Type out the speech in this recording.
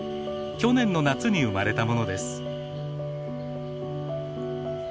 去年の夏に生まれたものです。